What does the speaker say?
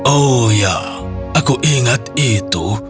oh ya aku ingat itu